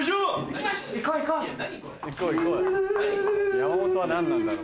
山本は何なんだろう。